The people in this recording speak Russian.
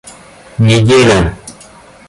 Неделя